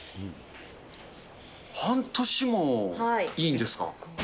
半年もいいんですか？